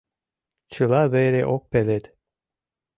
Чыла вере ок пелед.